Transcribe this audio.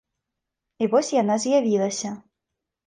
І вось яна з'явілася.